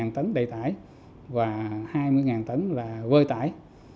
một mươi tấn đầy tải và hai mươi tấn vơi tải